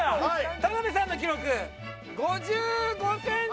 田辺さんの記録５５センチ。